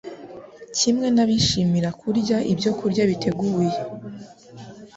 kimwe n’abishimira kurya ibyokurya bateguye,